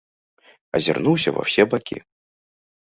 Азірнуўся ва ўсе бакі.